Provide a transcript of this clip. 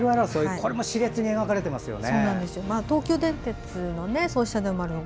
これもしれつに描かれていますね。